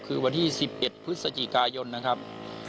คือวันที่๑๑พฤศจิกายนนะครับ